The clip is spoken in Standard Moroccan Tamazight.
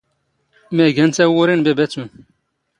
ⵎⴰ ⴰⴷ ⵉⴳⴰⵏ ⵜⴰⵡⵓⵔⵉ ⵏ ⴱⴰⴱⴰⵜⵓⵏ?